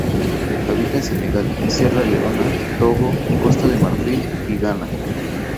Habita en Senegal, Sierra Leona, Togo, Costa de Marfil y Ghana.